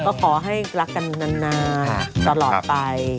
ก็ขอให้รักกันนานตลอดไป